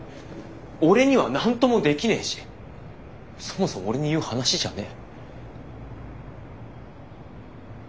俺には何ともできねえしそもそも俺に言う話じゃねえ。